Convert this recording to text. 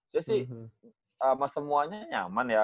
saya sih semuanya nyaman ya